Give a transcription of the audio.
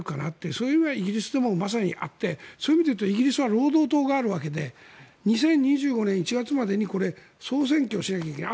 そういうのはイギリスでもまさにあってそういう意味で言うとイギリスは労働党があるわけで２０２５年１月までに総選挙しないといけない。